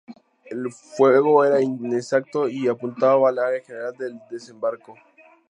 El fuego era inexacto y apuntaba al área general del desembarco.